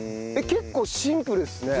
結構シンプルですね。